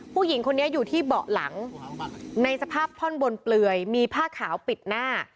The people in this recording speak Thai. ผู้หญิงคนนี้อยู่ที่เบาะหลังในสภาพท่อนบนเปลือยมีผ้าขาวปิดหน้า